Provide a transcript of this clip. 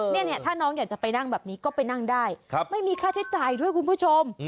เนี่ยถ้าน้องอยากจะไปนั่งแบบนี้ก็ไปนั่งได้ไม่มีค่าใช้จ่ายด้วยคุณผู้ชม